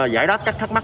giải đáp các thắc mắc